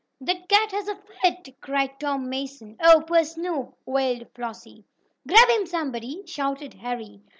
"The cat has a fit!" cried Tom Mason. "Oh, poor Snoop!" wailed Flossie. "Grab him, somebody!" shouted Harry.